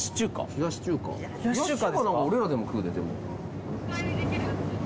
冷やし中華なら俺らでも食うで。